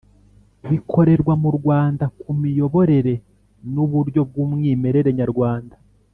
Bikorerwa mu rwanda ku miyoborere n uburyo bw umwimerere nyarwanda